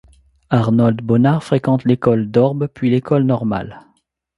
Arnold Bonard fréquente l'école d'Orbe puis l'école normale.